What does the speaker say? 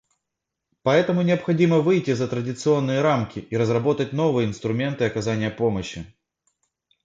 Поэтому необходимо выйти за традиционные рамки и разработать новые инструменты оказания помощи.